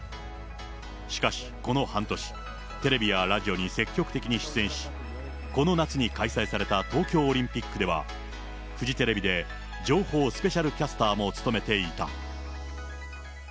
しかし、この半年、テレビやラジオに積極的に出演し、この夏に開催された東京オリンピックでは、フジテレビで情報スペシャルキャスターも務めていた。